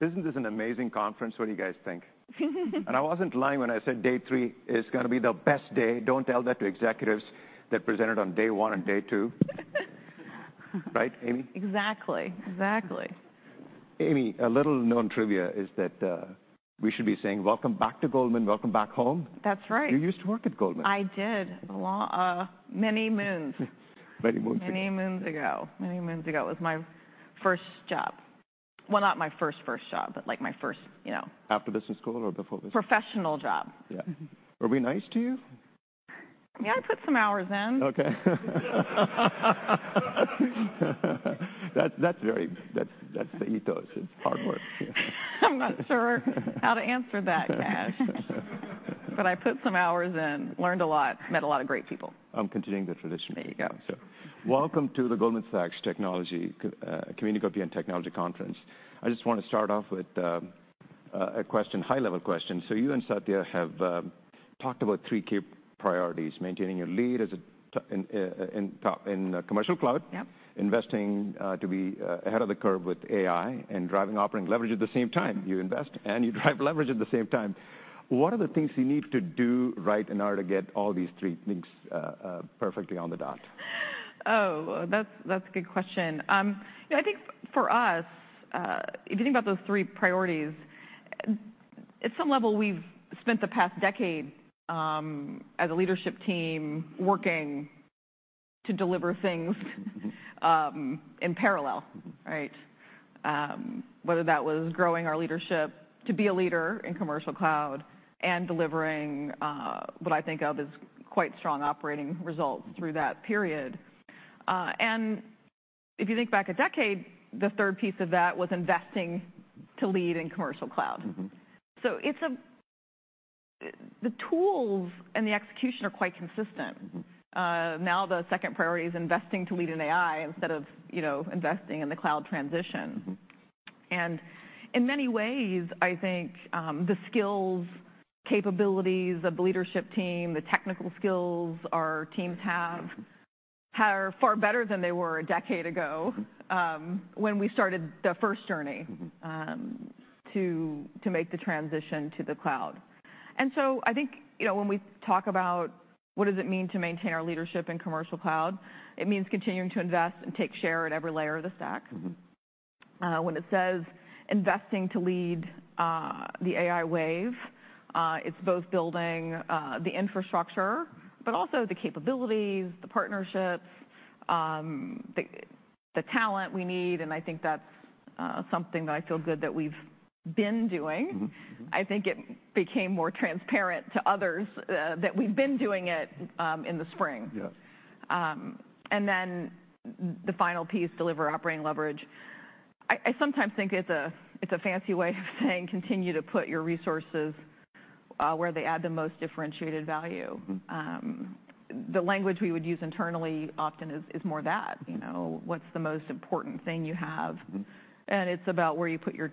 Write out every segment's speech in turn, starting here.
Isn't this an amazing conference? What do you guys think? I wasn't lying when I said day three is gonna be the best day. Don't tell that to executives that presented on day one and day two. Right, Amy? Exactly. Exactly. Amy, a little known trivia is that we should be saying, "Welcome back to Goldman. Welcome back home. That's right. You used to work at Goldman. I did, a long many moons. Many moons ago. Many moons ago. Many moons ago. It was my first job. Well, not my first, first job, but, like, my first, you know- After business school or before business? Professional job. Yeah. Mm-hmm. Were we nice to you? Yeah, I put some hours in. Okay. That's very. That's the ethos. It's hard work. I'm not sure how to answer that, Kash, but I put some hours in, learned a lot, met a lot of great people. I'm continuing the tradition. There you go. So welcome to the Goldman Sachs Technology, Communacopia + Technology Conference. I just want to start off with a question, high-level question. So you and Satya have talked about three key priorities: maintaining your lead as a top in Commercial Cloud- Yep... investing to be ahead of the curve with AI, and driving operating leverage at the same time. You invest, and you drive leverage at the same time. What are the things you need to do right in order to get all these three things perfectly on the dot? Oh, that's, that's a good question. You know, I think for us, if you think about those three priorities, at some level, we've spent the past decade, as a leadership team, working to deliver things, in parallel, right? Whether that was growing our leadership to be a leader in Commercial Cloud and delivering, what I think of as quite strong operating results through that period. And if you think back a decade, the third piece of that was investing to lead in Commercial Cloud. Mm-hmm. The tools and the execution are quite consistent. Mm-hmm. Now, the second priority is investing to lead in AI instead of, you know, investing in the cloud transition. Mm-hmm. In many ways, I think, the skills, capabilities of the leadership team, the technical skills our teams have, are far better than they were a decade ago, when we started the first journey- Mm-hmm... to make the transition to the cloud. And so I think, you know, when we talk about what does it mean to maintain our leadership in Commercial Cloud, it means continuing to invest and take share at every layer of the stack. Mm-hmm. When it says, "Investing to lead," the AI wave, it's both building the infrastructure, but also the capabilities, the partnerships, the talent we need, and I think that's something that I feel good that we've been doing. Mm-hmm. Mm-hmm. I think it became more transparent to others, that we've been doing it, in the spring. Yes. And then the final piece, deliver operating leverage. I sometimes think it's a fancy way of saying, "Continue to put your resources where they add the most differentiated value. Mm-hmm. The language we would use internally often is more that, you know, what's the most important thing you have? Mm-hmm. It's about where you put your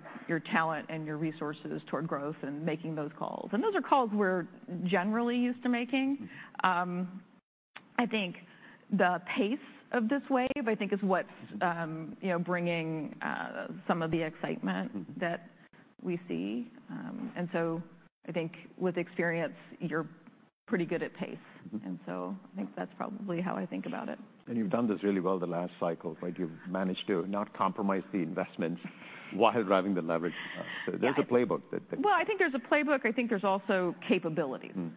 talent and your resources toward growth and making those calls, and those are calls we're generally used to making. Mm-hmm. I think the pace of this wave, I think, is what's, you know, bringing some of the excitement- Mm that we see. I think with experience, you're pretty good at pace. Mm-hmm. I think that's probably how I think about it. You've done this really well the last cycle, right? You've managed to not compromise the investments while driving the leverage. Yeah- So there's a playbook that Well, I think there's a playbook. I think there's also capabilities. Mm.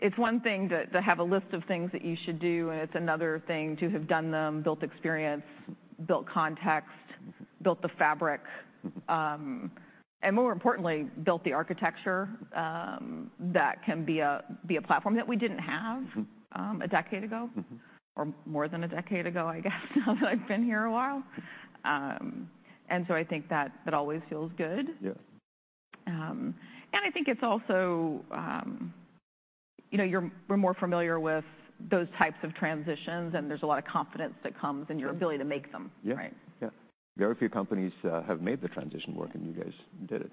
It's one thing to have a list of things that you should do, and it's another thing to have done them, built experience, built context, built the fabric. And more importantly, built the architecture, that can be a platform that we didn't have- Mm... a decade ago. Mm-hmm. Or more than a decade ago, I guess, now that I've been here a while. And so I think that that always feels good. Yes. You know, you're- we're more familiar with those types of transitions, and there's a lot of confidence that comes in your ability- Yes to make them. Yeah. Right? Yeah. Very few companies have made the transition work, and you guys did it.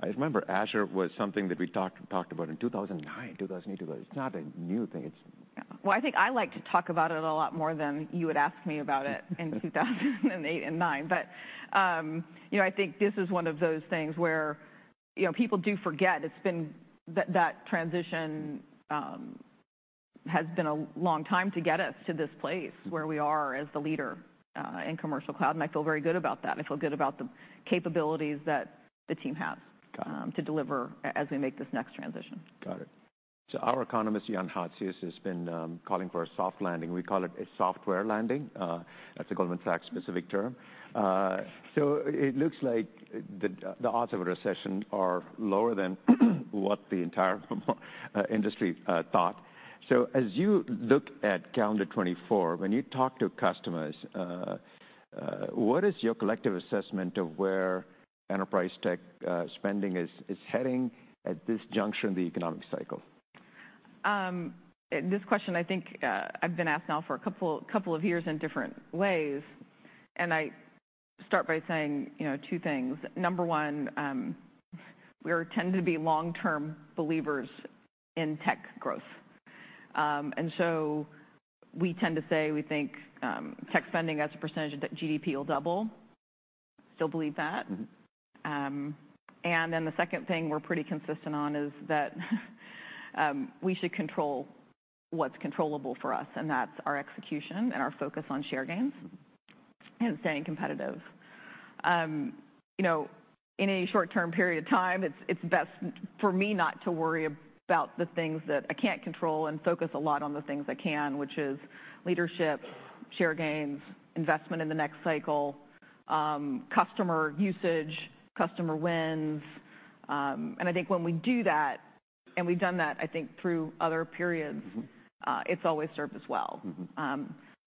I remember Azure was something that we talked about in 2009, 2008, but it's not a new thing. It's- Yeah. Well, I think I like to talk about it a lot more than you would ask me about it in 2008 and 2009. You know, I think this is one of those things where, you know, people do forget it's been—that transition has been a long time to get us to this place. Mm -where we are as the leader in Commercial Cloud, and I feel very good about that. I feel good about the capabilities that the team has- Got it... to deliver as we make this next transition. Got it. So our economist, Jan Hatzius, has been calling for a soft landing. We call it a software landing. That's a Goldman Sachs-specific term. So it looks like the odds of a recession are lower than what the entire industry thought. So as you look at calendar 2024, when you talk to customers, what is your collective assessment of where enterprise tech spending is heading at this juncture in the economic cycle? This question, I think, I've been asked now for a couple, couple of years in different ways, and I start by saying, you know, two things. Number one, we're tend to be long-term believers in tech growth. And so we tend to say we think, tech spending as a percentage of that GDP will double. Still believe that. And then the second thing we're pretty consistent on is that, we should control what's controllable for us, and that's our execution and our focus on share gains and staying competitive. You know, in a short-term period of time, it's, it's best for me not to worry about the things that I can't control and focus a lot on the things I can, which is leadership, share gains, investment in the next cycle, customer usage, customer wins. I think when we do that, and we've done that, I think, through other periods. Mm-hmm. It's always served us well. Mm-hmm.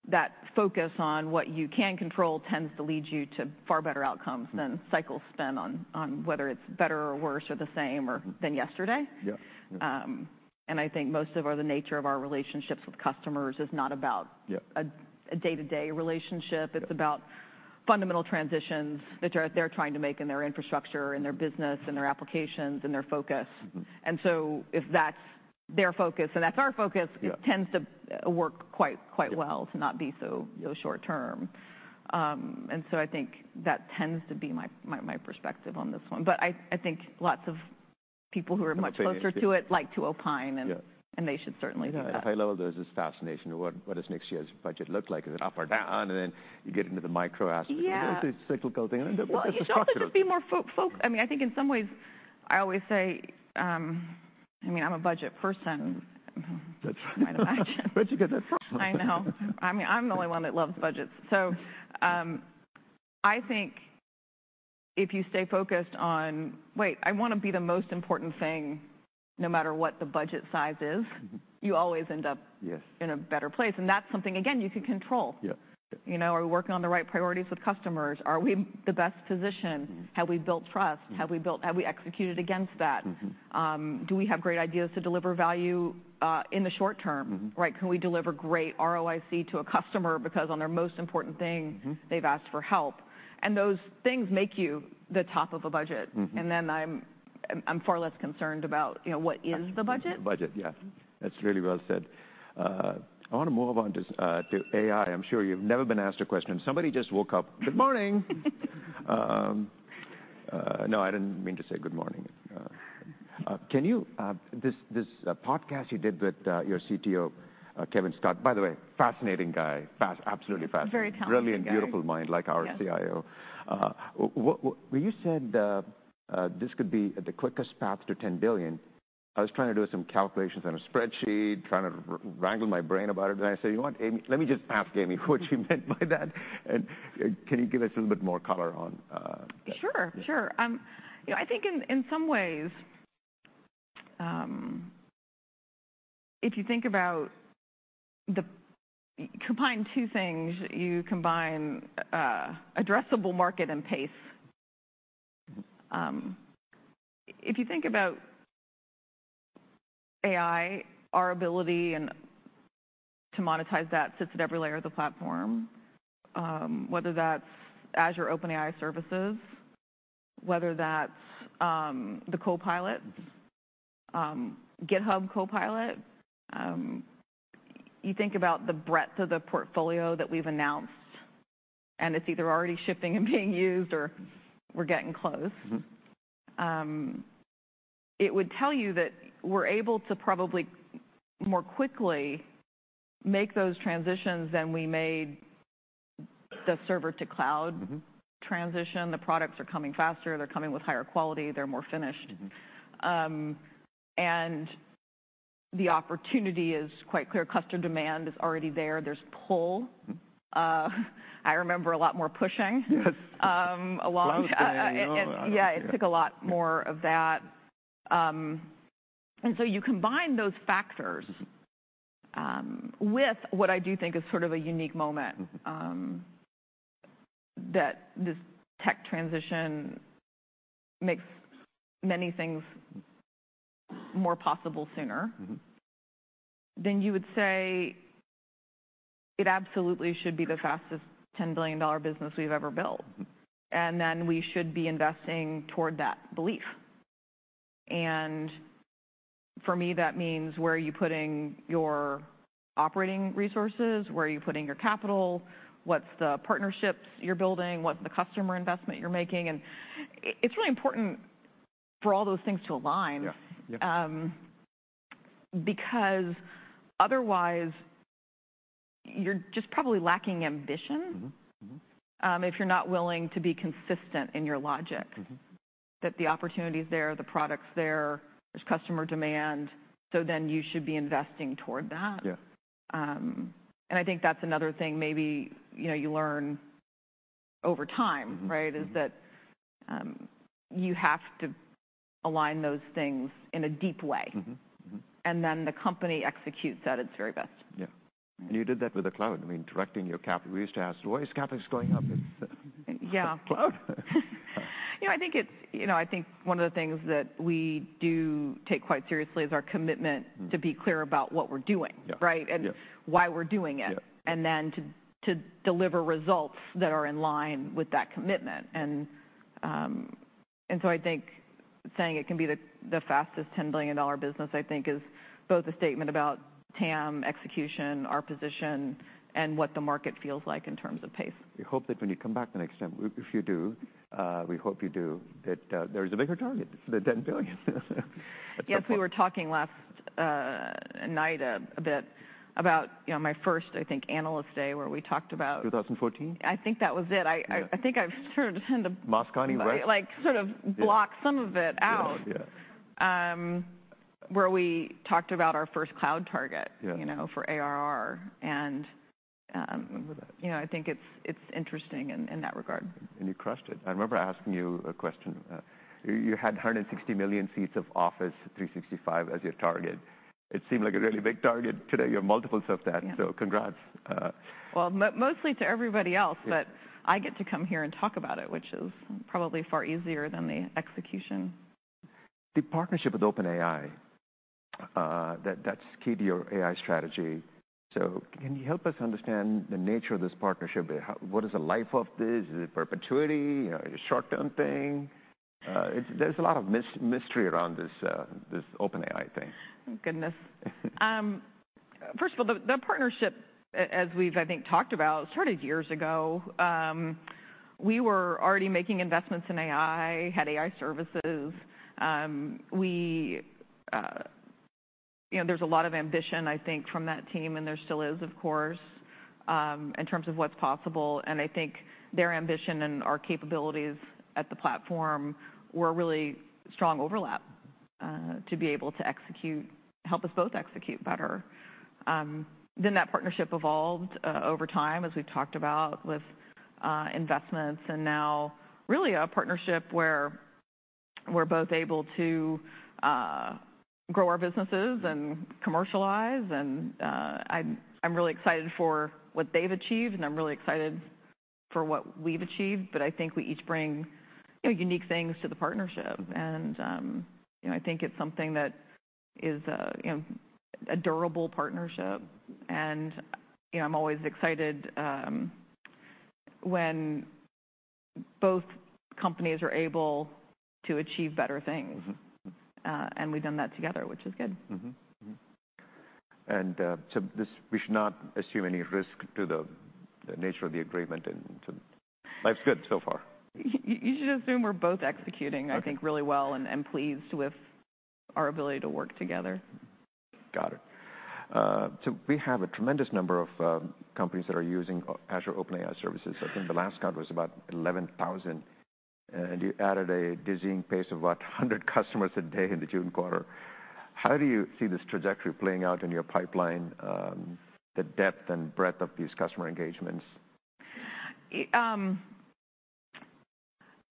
That focus on what you can control tends to lead you to far better outcomes- Mm. -than cycles spent on whether it's better or worse or the same or- Mm -than yesterday. Yeah. Yeah. I think the nature of our relationships with customers is not about- Yeah a day-to-day relationship. Yeah. It's about fundamental transitions that they're trying to make in their infrastructure, in their business, in their applications, in their focus. Mm-hmm. And so if that's their focus, and that's our focus- Yeah It tends to work quite, quite well. Yeah -to not be so, so short term. And so I think that tends to be my perspective on this one. But I think lots of people who are much closer- Much closer to it like to opine Yeah And they should certainly do that. At a high level, there is this fascination of what, what does next year's budget look like? Is it up or down? And then you get into the micro aspects- Yeah... of it. Well, it's a cyclical thing, and what's the structure of it? Well, you just have to just be more, I mean, I think in some ways, I always say, I mean, I'm a budget person. That's right. You might imagine. Where'd you get that from? I know. I mean, I'm the only one that loves budgets. So, I think if you stay focused on, "Wait, I want to be the most important thing, no matter what the budget size is- Mm-hmm. you always end up Yes in a better place, and that's something, again, you can control. Yeah. You know, are we working on the right priorities with customers? Are we in the best position? Mm-hmm. Have we built trust? Mm. Have we executed against that? Mm-hmm. Do we have great ideas to deliver value, in the short term? Mm-hmm. Right. Can we deliver great ROIC to a customer because on their most important thing- Mm-hmm they've asked for help? And those things make you the top of a budget. Mm-hmm. And then I'm far less concerned about, you know, what is the budget. Budget, yeah. That's really well said. I want to move on to AI. I'm sure you've never been asked a question. Somebody just woke up. Good morning. No, I didn't mean to say good morning. Can you... This podcast you did with your CTO, Kevin Scott, by the way, fascinating guy, absolutely fascinating. Very talented guy. Brilliant, beautiful mind like our CIO. Yeah. Well, you said, "This could be the quickest path to $10,000,000,000." I was trying to do some calculations on a spreadsheet, trying to wrangle my brain about it, and I said, "You know what, Amy? Let me just ask Amy what she meant by that." And, can you give us a little bit more color on, Sure, sure. You know, I think in, in some ways, if you think about the combine two things, you combine, addressable market and pace. If you think about AI, our ability and to monetize that sits at every layer of the platform, whether that's Azure OpenAI Services, whether that's, the Copilot, GitHub Copilot. You think about the breadth of the portfolio that we've announced, and it's either already shifting and being used or we're getting close. Mm-hmm. It would tell you that we're able to probably more quickly make those transitions than we made the server to cloud- Mm-hmm Transition. The products are coming faster. They're coming with higher quality. They're more finished. Mm-hmm. The opportunity is quite clear. Customer demand is already there. There's pull. Mm-hmm. I remember a lot more pushing- Yes -um, along- Cloud play, you know, yeah. Yeah, it took a lot more of that. And so you combine those factors, with what I do think is sort of a unique moment- Mm-hmm... that this tech transition makes many things more possible sooner. Mm-hmm. You would say it absolutely should be the fastest $10,000,000,000 business we've ever built. Mm-hmm. And then we should be investing toward that belief. And for me, that means: where are you putting your operating resources? Where are you putting your capital? What's the partnerships you're building? What's the customer investment you're making? And it's really important for all those things to align. Yeah. Yeah. Because otherwise, you're just probably lacking ambition- Mm-hmm. Mm-hmm... if you're not willing to be consistent in your logic- Mm-hmm that the opportunity's there, the product's there, there's customer demand, so then you should be investing toward that. Yeah. I think that's another thing, maybe, you know, you learn over time... Mm-hmm... right? Is that, you have to align those things in a deep way. Mm-hmm. Mm-hmm. The company executes that at its very best. Yeah. And you did that with the cloud. I mean, directing your capital. We used to ask: "Why is CapEx going up? Yeah. Cloud? You know, I think one of the things that we do take quite seriously is our commitment- Mm To be clear about what we're doing. Yeah. Right? Yeah. Why we're doing it. Yeah. And then to deliver results that are in line with that commitment and so I think saying it can be the fastest $10,000,000,000 business, I think, is both a statement about TAM, execution, our position, and what the market feels like in terms of pace. We hope that when you come back the next time, if you do, we hope you do, that there is a bigger target than $10,000,000,000. Yes, we were talking last night a bit about, you know, my first, I think, Analyst Day, where we talked about- 2014? I think that was it. Yeah. I think I've sort of tend to- Moscone, right? Like, sort of- Yeah... block some of it out. Yeah. Yeah. where we talked about our first cloud target- Yeah... you know, for ARR, and, you know, I think it's interesting in that regard. You crushed it. I remember asking you a question. You had 160,000,000 seats of Office 365 as your target. It seemed like a really big target. Today, you have multiples of that. Yeah. Congrats, Well, mostly to everybody else- Yeah... but I get to come here and talk about it, which is probably far easier than the execution. The partnership with OpenAI, that, that's key to your AI strategy, so can you help us understand the nature of this partnership? What is the life of this? Is it perpetuity? A short-term thing? There's a lot of mystery around this, this OpenAI thing. Goodness. First of all, the partnership, as we've, I think, talked about, started years ago. We were already making investments in AI, had AI services. You know, there's a lot of ambition, I think, from that team, and there still is, of course, in terms of what's possible, and I think their ambition and our capabilities at the platform were a really strong overlap, to be able to execute, help us both execute better. Then that partnership evolved over time, as we've talked about, with investments, and now really a partnership where we're both able to grow our businesses and commercialize, and I'm really excited for what they've achieved, and I'm really excited for what we've achieved, but I think we each bring, you know, unique things to the partnership. You know, I think it's something that is, you know, a durable partnership, and, you know, I'm always excited when both companies are able to achieve better things. Mm-hmm. We've done that together, which is good. Mm-hmm. Mm-hmm. And, so this, we should not assume any risk to the, the nature of the agreement and to... Life's good so far. You should assume we're both executing- Okay... I think really well and pleased with our ability to work together. Got it. So we have a tremendous number of companies that are using Azure OpenAI services. Mm-hmm. I think the last count was about 11,000, and you added a dizzying pace of what? 100 customers a day in the June quarter. How do you see this trajectory playing out in your pipeline, the depth and breadth of these customer engagements? I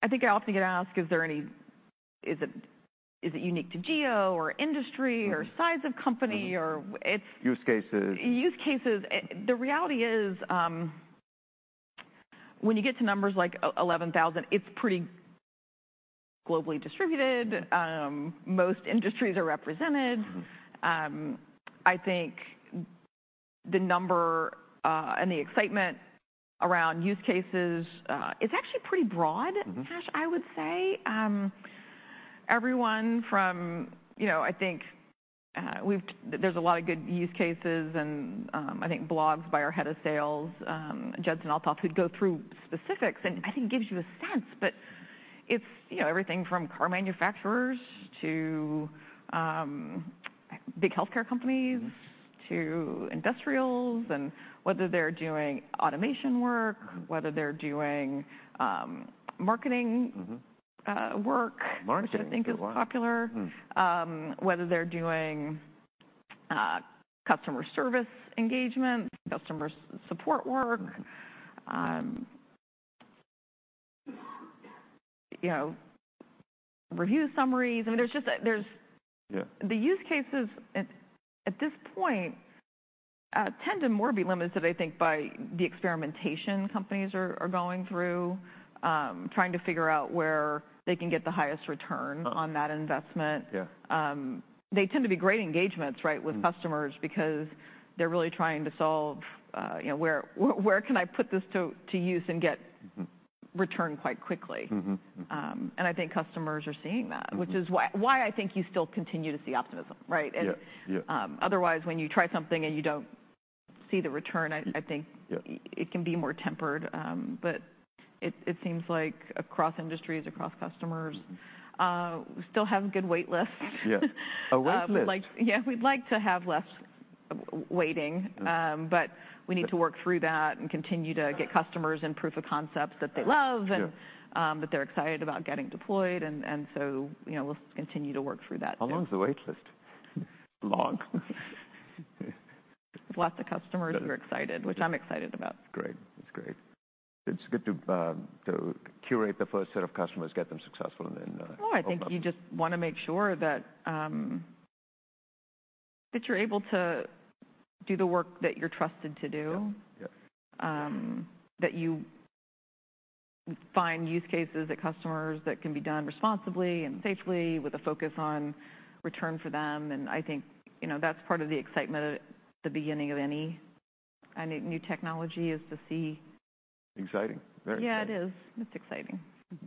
think I often get asked, "Is there any-- is it, is it unique to geo, or industry- Mm-hmm... or size of company or? It's- Use cases. Use cases. The reality is, when you get to numbers like 11,000, it's pretty globally distributed. Yeah. Most industries are represented. Mm-hmm. I think the number, and the excitement around use cases, is actually pretty broad- Mm-hmm... Ash, I would say. Everyone from, you know, I think, there's a lot of good use cases and, I think blogs by our head of sales, Judson Althoff, who'd go through specifics, and I think gives you a sense. But it's, you know, everything from car manufacturers to, big healthcare companies- Mm-hmm... to industrials, and whether they're doing automation work- Mm. - whether they're doing, marketing- Mm-hmm... Marketing, a lot... which I think is popular. Hmm. Whether they're doing customer service engagement, customer support work, you know, review summaries. I mean, there's just, there's- Yeah. The use cases at this point tend to more be limited, I think, by the experimentation companies are going through, trying to figure out where they can get the highest return- Uh-huh... on that investment. Yeah. They tend to be great engagements, right? Mm... with customers because they're really trying to solve, you know: Where, where can I put this to use and get- Mm-hmm... return quite quickly? Mm-hmm. Mm. And I think customers are seeing that- Mm-hmm... which is why, why I think you still continue to see optimism, right? Yeah. Yeah. Otherwise, when you try something, and you don't see the return, I think- Yeah... it can be more tempered. But it seems like across industries, across customers- Mm-hmm... we still have good wait lists. Yeah. A wait list? Yeah, we'd like to have less waiting. Yeah. But we need to work through that and continue to get customers and proof of concepts that they love- Sure... that they're excited about getting deployed, and so, you know, we'll continue to work through that, too. How long is the wait list? Long? Lots of customers who are excited- Yeah... which I'm excited about. Great. That's great. It's good to curate the first set of customers, get them successful, and then open up. Well, I think you just wanna make sure that that you're able to do the work that you're trusted to do. Yeah. Yeah. that you find use cases that customers that can be done responsibly and safely, with a focus on return for them, and I think, you know, that's part of the excitement at the beginning of any new technology is to see. Exciting? Very exciting. Yeah, it is. It's exciting.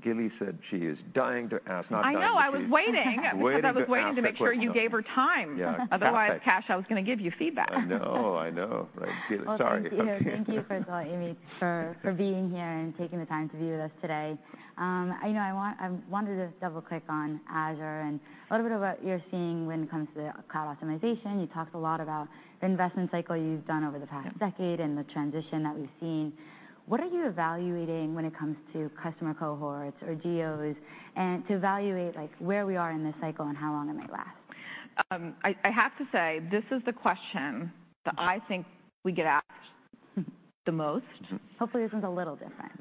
Gili said she is dying to ask, not dying to- I know! I was waiting. Waiting to ask the question. I was waiting to make sure you gave her time. Yeah. Otherwise, Kash, I was gonna give you feedback. I know, I know, right? Gili, sorry. Well, thank you. Thank you, first of all, Amy, for being here and taking the time to be with us today. I know I wanted to just double-click on Azure and a little bit of what you're seeing when it comes to the cloud optimization. You talked a lot about the investment cycle you've done over the past decade and the transition that we've seen. What are you evaluating when it comes to customer cohorts or geos, and to evaluate, like, where we are in this cycle and how long it might last? I have to say, this is the question that I think we get asked the most. Hopefully, this one's a little different.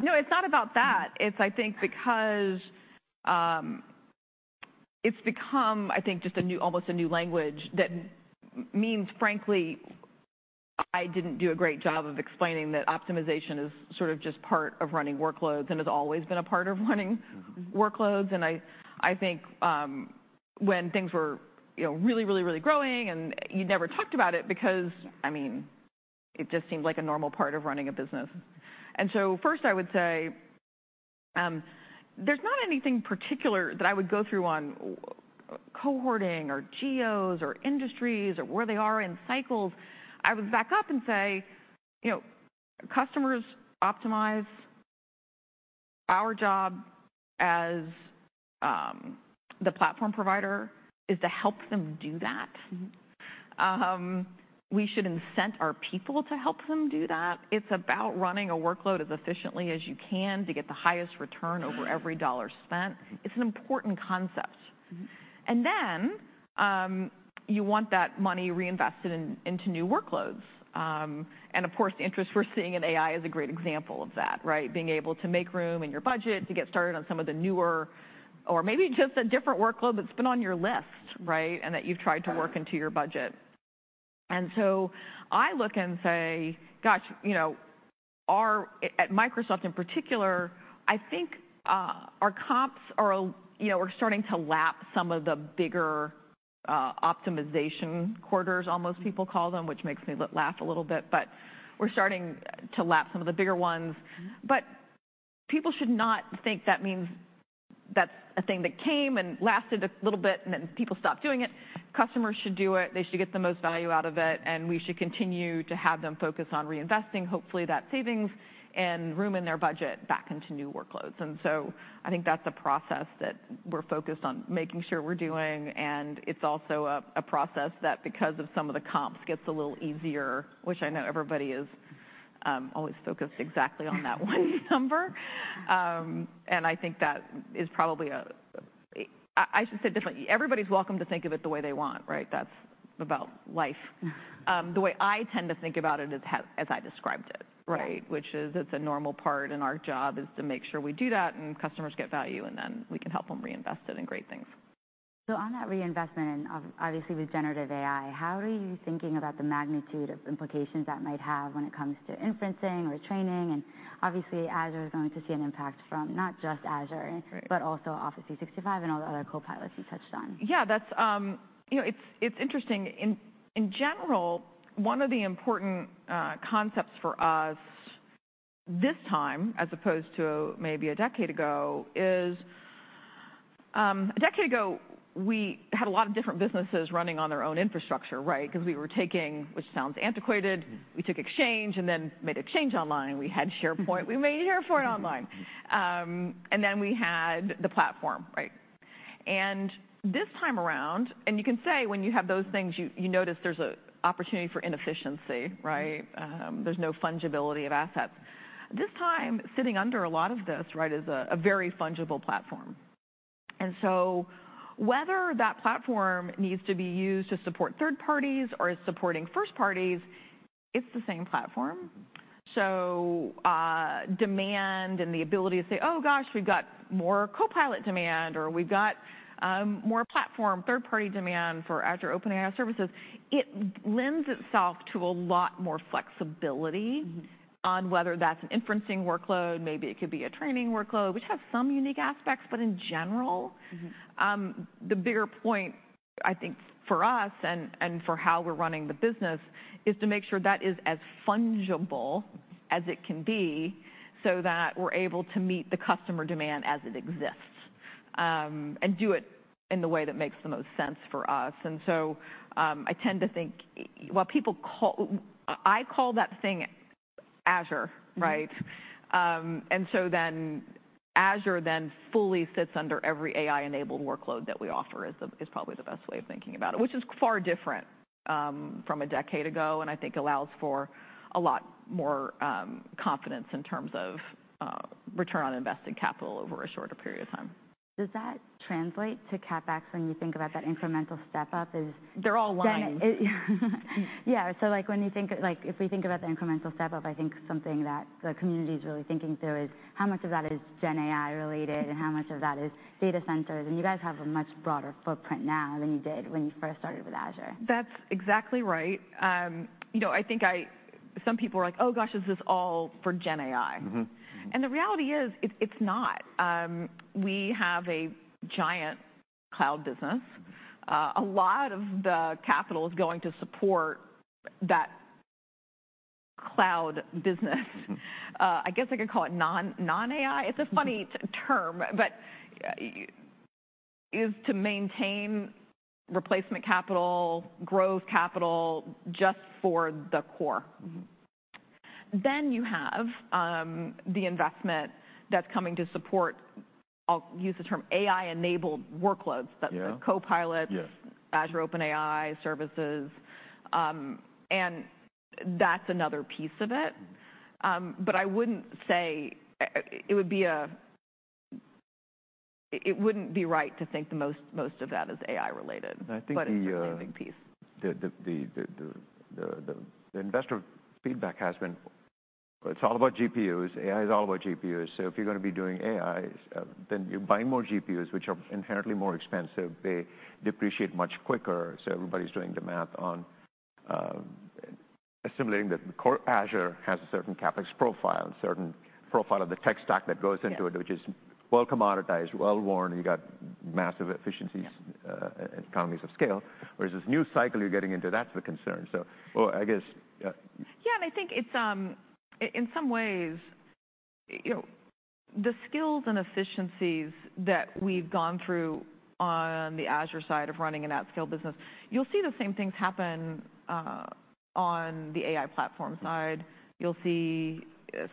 No, it's not about that. It's, I think, because, it's become, I think, just a new, almost a new language that means, frankly, I didn't do a great job of explaining that optimization is sort of just part of running workloads and has always been a part of running workloads. Mm-hmm. I think, when things were, you know, really, really, really growing, and you never talked about it because, I mean, it just seemed like a normal part of running a business. So first, I would say, there's not anything particular that I would go through on cohorting, or geos, or industries, or where they are in cycles. I would back up and say, you know, customers optimize. Our job as the platform provider is to help them do that. Mm-hmm. We should incent our people to help them do that. It's about running a workload as efficiently as you can to get the highest return over every dollar spent. It's an important concept. Mm-hmm. And then, you want that money reinvested in, into new workloads. And of course, the interest we're seeing in AI is a great example of that, right? Being able to make room in your budget to get started on some of the newer or maybe just a different workload that's been on your list, right, and that you've tried to work into your budget. And so I look and say, "Gosh, you know, our..." At Microsoft, in particular, I think, our comps are, you know, we're starting to lap some of the bigger, optimization quarters, almost people call them, which makes me laugh a little bit, but we're starting to lap some of the bigger ones. Mm-hmm. But people should not think that means that's a thing that came and lasted a little bit, and then people stopped doing it. Customers should do it. They should get the most value out of it, and we should continue to have them focus on reinvesting, hopefully, that savings and room in their budget back into new workloads. And so I think that's a process that we're focused on making sure we're doing, and it's also a process that, because of some of the comps, gets a little easier, which I know everybody is always focused exactly on that one number. And I think that is probably a... I should say it differently. Everybody's welcome to think of it the way they want, right? That's about life. Mm-hmm. The way I tend to think about it is how, as I described it, right? Yeah. Which is, it's a normal part, and our job is to make sure we do that, and customers get value, and then we can help them reinvest it in great things. So on that reinvestment, and obviously, with Generative AI, how are you thinking about the magnitude of implications that might have when it comes to inferencing or training? And obviously, Azure is going to see an impact from not just Azure- Right... but also Office 365 and all the other Copilots you touched on. Yeah, that's. You know, it's interesting. In general, one of the important concepts for us this time, as opposed to maybe a decade ago, is a decade ago, we had a lot of different businesses running on their own infrastructure, right? 'Cause we were taking, which sounds antiquated- Mm-hmm... we took Exchange and then made Exchange Online. We had SharePoint, we made SharePoint Online. Mm-hmm. Then we had the platform, right? This time around, you can say when you have those things, you notice there's an opportunity for inefficiency, right? Mm-hmm. There's no fungibility of assets. This time, sitting under a lot of this, right, is a very fungible platform. And so whether that platform needs to be used to support third parties or is supporting first parties, it's the same platform. So, demand and the ability to say, "Oh, gosh, we've got more Copilot demand," or, "We've got more platform, third-party demand for Azure OpenAI Service," it lends itself to a lot more flexibility- Mm-hmm... on whether that's an inferencing workload, maybe it could be a training workload, which has some unique aspects, but in general- Mm-hmm... the bigger point, I think, for us, and for how we're running the business, is to make sure that is as fungible as it can be so that we're able to meet the customer demand as it exists. And do it in the way that makes the most sense for us. And so, I tend to think, well, people call—I call that thing Azure, right? Mm-hmm. And so then Azure then fully sits under every AI-enabled workload that we offer, is the, is probably the best way of thinking about it, which is far different from a decade ago, and I think allows for a lot more confidence in terms of return on invested capital over a shorter period of time. Does that translate to CapEx when you think about that incremental step up? They're all lined. Yeah, so, like, when you think, like, if we think about the incremental step up, I think something that the community is really thinking through is: how much of that is gen AI related, and how much of that is data centers? And you guys have a much broader footprint now than you did when you first started with Azure. That's exactly right. You know, I think some people are like: "Oh, gosh, is this all for gen AI? Mm-hmm. The reality is, it's not. We have a giant cloud business, a lot of the capital is going to support that cloud business. I guess I could call it non-AI? Mm-hmm. It's a funny term, but is to maintain replacement capital, growth capital, just for the core. Mm-hmm. Then you have the investment that's coming to support. I'll use the term "AI-enabled workloads. Yeah. that's the Copilot Yes. Azure OpenAI services, and that's another piece of it. Mm-hmm. But I wouldn't say it wouldn't be right to think the most of that is AI related- I think the. But it's a big piece. The investor feedback has been, it's all about GPUs, AI is all about GPUs. So if you're gonna be doing AI, then you're buying more GPUs, which are inherently more expensive. They depreciate much quicker, so everybody's doing the math on assimilating that the core Azure has a certain CapEx profile and certain profile of the tech stack that goes into it. Yeah... which is well commoditized, well-worn, you got massive efficiencies- Yeah and economies of scale, whereas this new cycle you're getting into, that's the concern. So well, I guess, Yeah, and I think it's in some ways, you know, the skills and efficiencies that we've gone through on the Azure side of running an at-scale business, you'll see the same things happen on the AI platform side. You'll see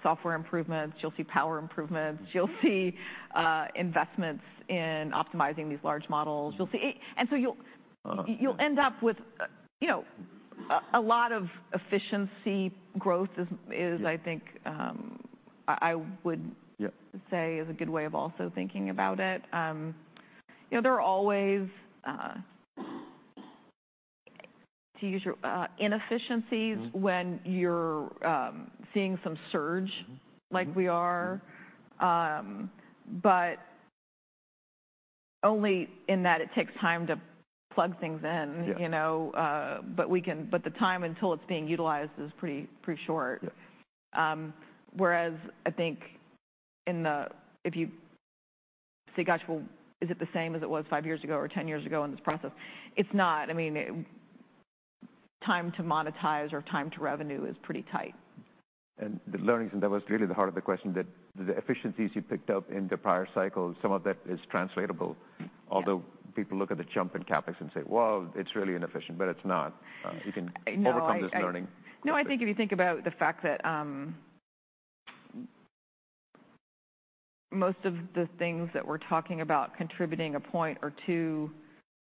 software improvements, you'll see power improvements, you'll see investments in optimizing these large models. Mm-hmm. You'll see... And so you'll- Uh, yeah... you'll end up with, you know, a lot of efficiency growth is— Yeah... I think, I would- Yeah Say is a good way of also thinking about it. You know, there are always to use your inefficiencies- Mm-hmm... when you're seeing some surge- Mm-hmm... like we are. Mm-hmm. But only in that it takes time to plug things in. Yeah... you know, but the time until it's being utilized is pretty, pretty short. Yeah. Whereas, I think in the—if you say, "Gosh, well, is it the same as it was 5 years ago or 10 years ago in this process?" It's not. I mean, it time to monetize or time to revenue is pretty tight. The learnings, and that was really the heart of the question, that the efficiencies you picked up in the prior cycle, some of that is translatable. Yeah. Although people look at the jump in CapEx and say, "Well, it's really inefficient," but it's not. No, You can overcome this learning. No, I think if you think about the fact that most of the things that we're talking about contributing a point or two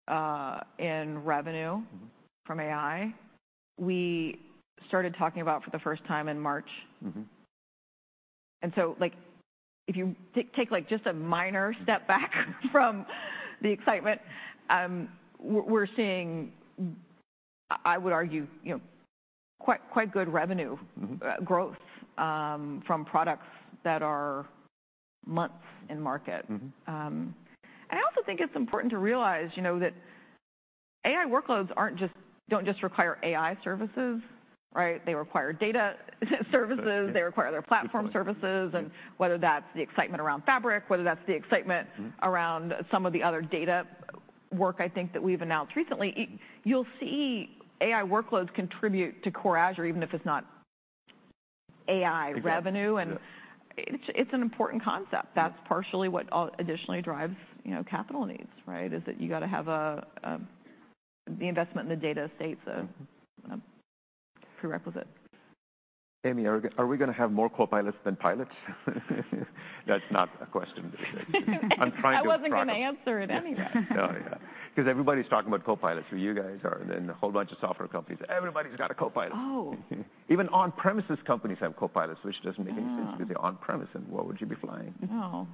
in revenue- Mm-hmm... from AI, we started talking about for the first time in March. Mm-hmm. And so, like, if you take, like, just a minor step back from the excitement, we're seeing, I would argue, you know, quite, quite good revenue- Mm-hmm... growth, from products that are months in market. Mm-hmm. I also think it's important to realize, you know, that AI workloads don't just require AI services, right? They require data services- Yeah... they require other platform services. Good point, yeah. And whether that's the excitement around Fabric, whether that's the excitement- Mm-hmm... around some of the other data work, I think, that we've announced recently. It-- you'll see AI workloads contribute to core Azure, even if it's not AI revenue. Exactly, yeah. It's an important concept. Yeah. That's partially what additionally drives, you know, capital needs, right? Is that you gotta have a, the investment in the data estate- Mm-hmm... a prerequisite. Amy, are we gonna have more Copilots than pilots? That's not a question, but I'm trying to prompt- I wasn't gonna answer it anyway. Oh, yeah, 'cause everybody's talking about Copilots, so you guys are... And then a whole bunch of software companies: "Everybody's got a Copilot. Oh. Even on-premises companies have Copilots, which doesn't make any sense- Yeah... because they're on-premises, and what would you be flying? No.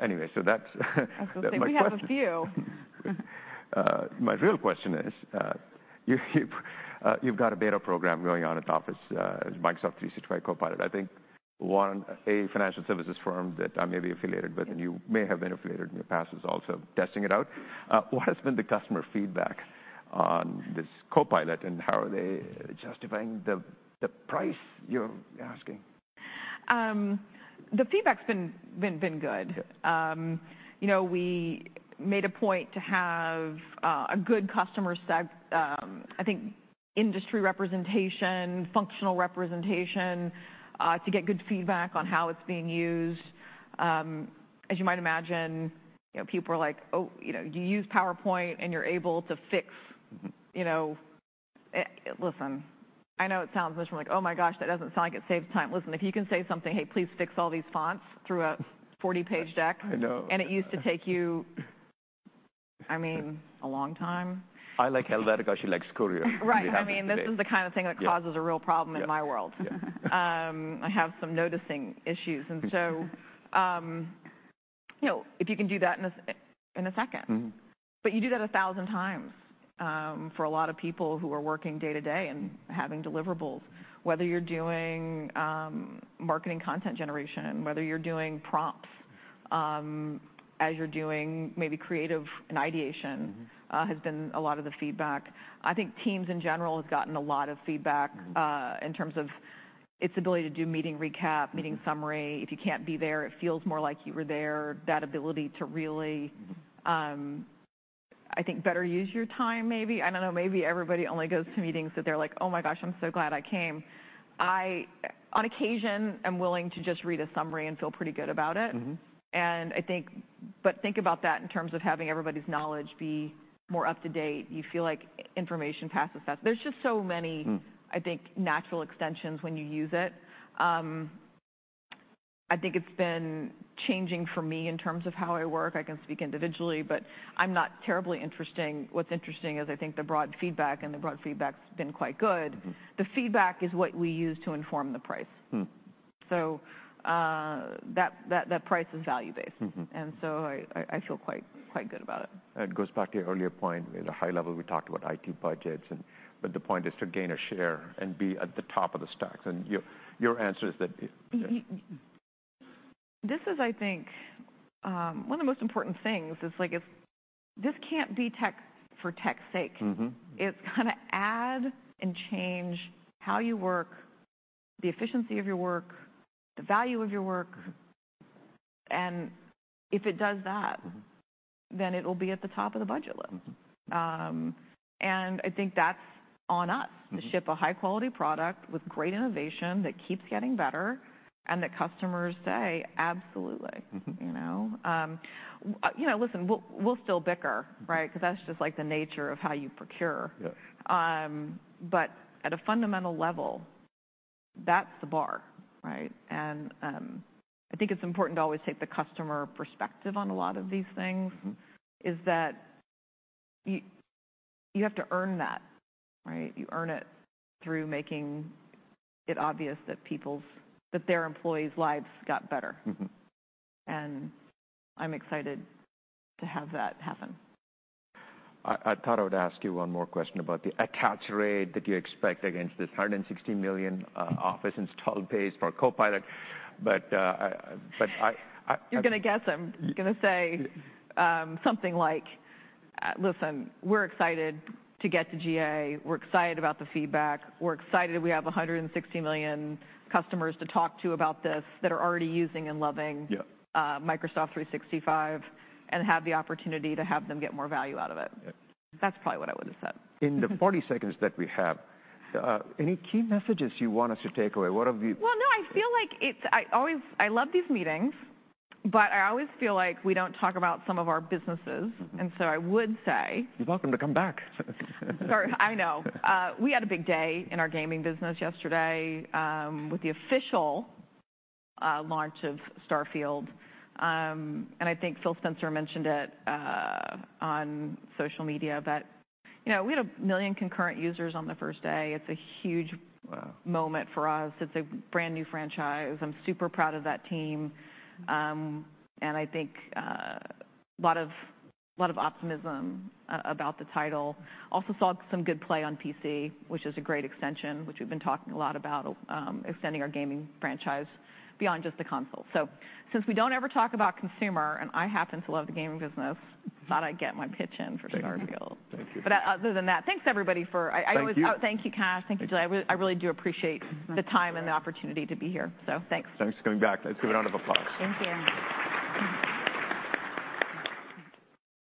Anyway, so that's- I was gonna say- My question- We have a few. My real question is, you've got a beta program going on at Office, Microsoft 365 Copilot. I think one, a financial services firm that I may be affiliated with- Mm-hmm... and you may have been affiliated in the past, is also testing it out. What has been the customer feedback on this Copilot, and how are they justifying the price you're asking? The feedback's been good. You know, we made a point to have a good customer—I think industry representation, functional representation, to get good feedback on how it's being used. As you might imagine, you know, people are like: "Oh, you know, you use PowerPoint, and you're able to fix," you know. Listen, I know it sounds much like, "Oh, my gosh, that doesn't sound like it saves time." Listen, if you can say something, "Hey, please fix all these fonts," through a 40-page deck- I know... and it used to take you, I mean, a long time. I like Helvetica, she likes Courier. Right. We have today. I mean, this is the kind of thing- Yeah... that causes a real problem in my world. Yeah. I have some notification issues. So, you know, if you can do that in a second. Mm-hmm. But you do that 1,000 times, for a lot of people who are working day to day and having deliverables, whether you're doing marketing content generation, whether you're doing prompts, as you're doing maybe creative and ideation has been a lot of the feedback. I think Teams, in general, has gotten a lot of feedback. Mm-hmm. in terms of its ability to do meeting recap- Mm-hmm. meeting summary. If you can't be there, it feels more like you were there. That ability to really- Mm. I think, better use your time, maybe. I don't know, maybe everybody only goes to meetings, that they're like: "Oh, my gosh, I'm so glad I came." I, on occasion, am willing to just read a summary and feel pretty good about it. Mm-hmm. And I think, but think about that in terms of having everybody's knowledge be more up to date. You feel like information passes fast. There's just so many- Mm. I think, natural extensions when you use it. I think it's been changing for me in terms of how I work. I can speak individually, but I'm not terribly interesting. What's interesting is, I think, the broad feedback, and the broad feedback's been quite good. Mm-hmm. The feedback is what we use to inform the price. Hmm. That price is value-based. Mm-hmm. I feel quite good about it. It goes back to your earlier point. At a high level, we talked about IT budgets and... but the point is to gain a share and be at the top of the stacks, and your, your answer is that, yeah. This is, I think, one of the most important things is, like, if this can't be tech for tech's sake. Mm-hmm. It's gonna add and change how you work, the efficiency of your work, the value of your work, and if it does that- Mm... then it'll be at the top of the budget list. I think that's on us- Mm To ship a high-quality product with great innovation, that keeps getting better, and that customers say, "Absolutely. Mm-hmm. You know? You know, listen, we'll, we'll still bicker, right? Mm. 'Cause that's just, like, the nature of how you procure. Yeah. But at a fundamental level, that's the bar, right? And I think it's important to always take the customer perspective on a lot of these things- Mm-hmm... is that you have to earn that, right? You earn it through making it obvious that their employees' lives got better. Mm-hmm. I'm excited to have that happen. I thought I would ask you one more question about the attach rate that you expect against this 160,000,000 Office installed base for Copilot. But, but I, I- You're gonna guess them. Y- You're gonna say- Y- something like, "Listen, we're excited to get to GA. We're excited about the feedback. We're excited that we have 160,000,000 customers to talk to about this, that are already using and loving- Yeah... Microsoft 365, and have the opportunity to have them get more value out of it. Yeah. That's probably what I would've said. In the 40 seconds that we have, any key messages you want us to take away? What have you- Well, no, I feel like it's-- I always... I love these meetings, but I always feel like we don't talk about some of our businesses. Mm-hmm. And so I would say- You're welcome to come back. Sorry. I know. We had a big day in our gaming business yesterday with the official launch of Starfield. And I think Phil Spencer mentioned it on social media that, you know, we had 1,000,000 concurrent users on the first day. It's a huge- Wow... moment for us. It's a brand-new franchise. I'm super proud of that team. Mm. I think a lot of optimism about the title. Also saw some good play on PC, which is a great extension, which we've been talking a lot about, extending our gaming franchise beyond just the console. So since we don't ever talk about consumer, and I happen to love the gaming business, thought I'd get my pitch in for Starfield. Thank you. Thank you. But other than that, thanks, everybody, for I always- Thank you. Oh, thank you, Kash. Thank you, Gili. Thank you. I really do appreciate the time- Thanks... and the opportunity to be here, so thanks. Thanks for coming back. Let's give a round of applause. Thank you. Mm-hmm. Thank you.